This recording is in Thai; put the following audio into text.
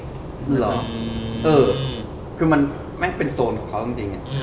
เหรอเออคือมันแม่งเป็นโซนของเขาจริง